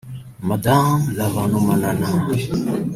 Mme Ravalomanana